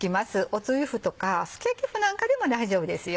おつゆ麩とかすき焼き麩なんかでも大丈夫ですよ。